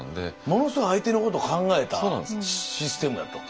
ものすごい相手のこと考えたシステムやと。